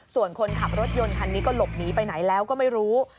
ส่วนคนขับรถยนต์คันนี้ก็หลบหนีไปไหนแล้วก็ไม่รู้